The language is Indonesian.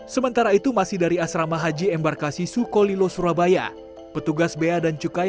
sementara itu masih dari asrama haji embarkasi sukolilo surabaya petugas bea dan cukai